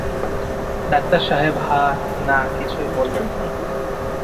Doctor সাহেব হা-না কিছুই বললেন না।